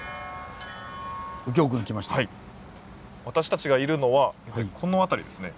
私たちがいるのはこの辺りですね。